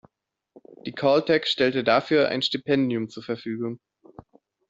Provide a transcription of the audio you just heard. Die Caltech stellte dafür ein Stipendium zur Verfügung.